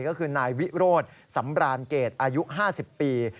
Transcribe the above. ก็คือนายวิโรธสำรานเกตอายุ๕๐ปี